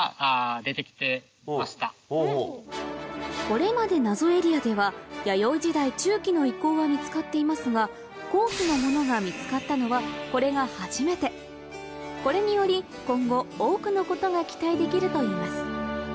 これまで謎エリアでは弥生時代中期の遺構は見つかっていますが後期のものが見つかったのはこれが初めてこれにより今後多くのことが期待できるといいます